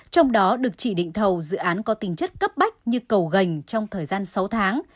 trong đó được chỉ định thầu dự án có tính chất cấp bách như cầu gành trong thời gian sáu tháng